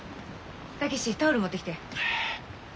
武志タオル持ってきて。